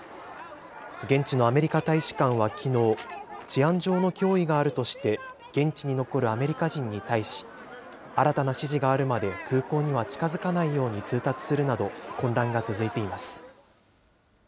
現地のアメリカ大使館はきのう、治安上の脅威があるとして、現地に残るアメリカ人に対し、新たな指示があるまで空港には近づかないように通達するなど、混乱が続いています。